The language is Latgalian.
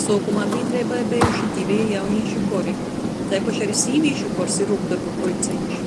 Suokumā bīdreibai bejuši diveji jaunīšu kori, taipoš ari sīvīšu kors i rūkdorbu pulceņš.